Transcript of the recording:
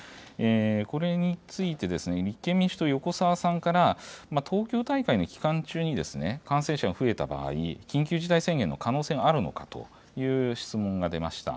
これについて、立憲民主党、横澤さんから東京大会の期間中に、感染者が増えた場合、緊急事態宣言の可能性があるのかという質問が出ました。